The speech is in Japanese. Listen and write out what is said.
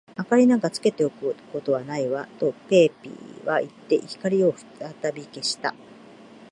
「明りなんかつけておくことはないわ」と、ペーピーはいって、光をふたたび消した。